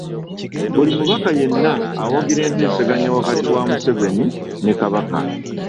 Buli mubaka yenna awagira enteeseganya wakati wa Museveni ne Kabaka.